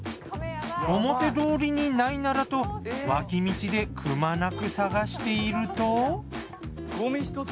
表通りにないならと脇道でくまなく探していると。